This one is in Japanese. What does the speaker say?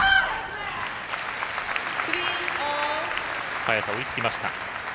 早田、追いつきました。